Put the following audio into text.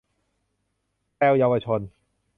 แพรวเยาวชน